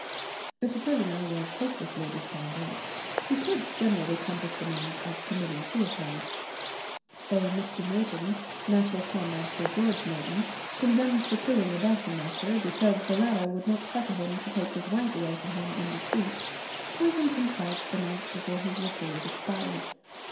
If a prisoner was hopelessly despondent, he could generally compass the means of committing suicide. A Mr. Norton, natural son of Sir George Norton, condemned for killing a dancing master, because the latter would not suffer him to take his wife away from him in the street, poisoned himself the night before his reprieve expired.